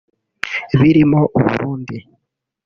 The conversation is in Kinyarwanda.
birimo u Burundi